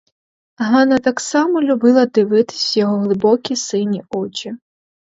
Ганна так само любила дивитися в його глибокі сині очі.